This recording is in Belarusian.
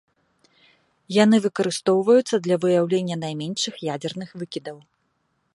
Яны выкарыстоўваюцца для выяўлення найменшых ядзерных выкідаў.